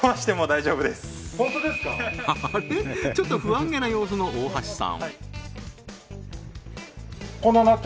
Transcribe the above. ちょっと不安げな様子の大橋さん